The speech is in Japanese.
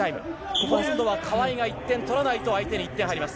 今度は川井が１点取らないと相手に１点入ります。